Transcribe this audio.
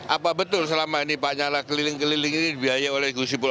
apa betul selama ini pak nyala keliling keliling ini dibiayai oleh gus ipul